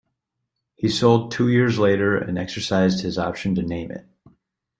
He sold two years later and exercised his option to name it.